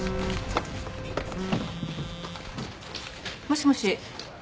もしもし。